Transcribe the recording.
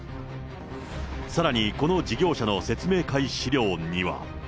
さらにこの事業者の説明会資料には。